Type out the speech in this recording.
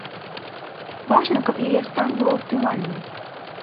Важна, каб яе стан быў аптымальным.